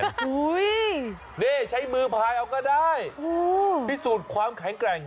โอ้โหนี่ใช้มือพายเอาก็ได้พิสูจน์ความแข็งแกร่ง